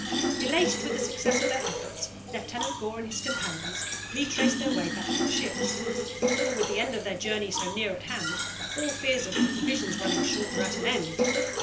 Elated with the success of their efforts, Lieutenant Gore and his companions retraced their way back to the ships, for with the end of their journey so near at hand, all fears of the provisions running short were at an end.